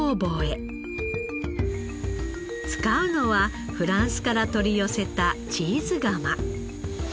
使うのはフランスから取り寄せたチーズ釜。